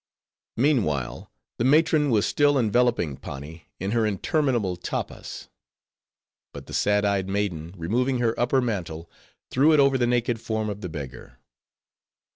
Meanwhile, the matron was still enveloping Pani in her interminable tappas. But the sad eyed maiden, removing her upper mantle, threw it over the naked form of the beggar.